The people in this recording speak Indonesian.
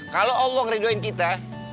kalau allah ngeridoin kita